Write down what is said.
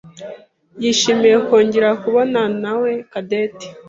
yishimiye kongera kubonawe Cadette.